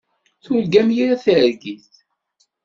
Turgam yir targit.